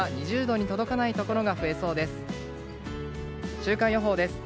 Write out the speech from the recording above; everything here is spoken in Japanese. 週間予報です。